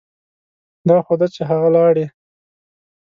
دا خو ده چې هغه لاړې.